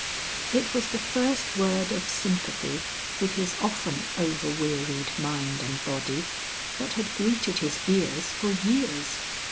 It was the first word of sympathy with his often over wearied mind and body, that had greeted his ears for years.